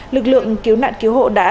lực lượng cứu nạn cứu hộ đã